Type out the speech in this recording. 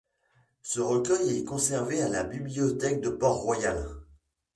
Ce recueil est conservé à la Bibliothèque de Port-Royal.